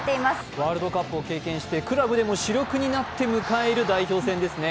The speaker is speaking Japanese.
ワールドカップを経験して、クラブでも主力になって迎える代表選ですね。